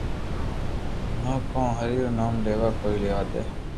تو ڪون ھري رو نوم ليوا ڪوئي ليوا دي